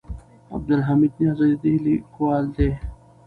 عبدالحمید نیازی د دې لیکوال دی.